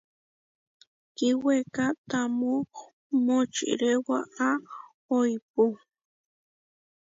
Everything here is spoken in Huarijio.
Kíweká tamó močiré waʼá óipu.